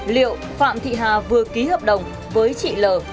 liệu phạm thị hà vừa ký hợp đồng với chị l